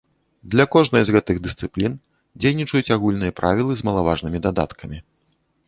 Для кожнай з гэтых дысцыплін дзейнічаюць агульныя правілы з малаважнымі дадаткамі.